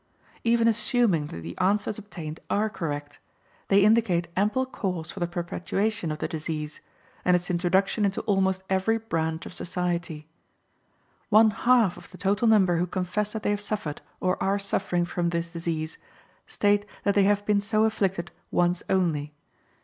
Even assuming that the answers obtained are correct, they indicate ample cause for the perpetuation of the disease, and its introduction into almost every branch of society. One half of the total number who confess that they have suffered or are suffering from this disease, state that they have been so afflicted once only.